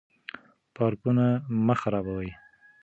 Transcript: پارکونه مه خرابوئ.